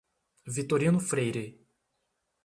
Vitorino Freire